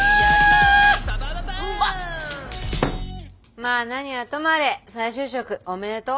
まあ何はともあれ再就職おめでとう。